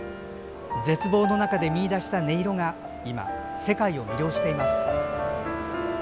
絶望の中で見いだした音色が今、世界を魅了しています。